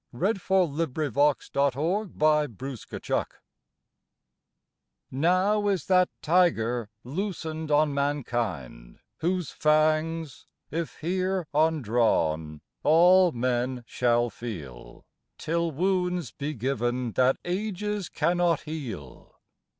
162 ON THE GREAT WAR THE DAY OF DECISION Now is that tiger loosened on mankind Whose fangs, if here undrawn, all men shall feel, Till wounds be given that ages cannot heal.